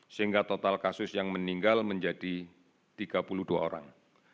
sehingga total kasus yang meninggal menjadi tiga puluh dua orang